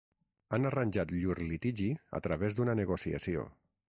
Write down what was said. Han arranjat llur litigi a través d'una negociació.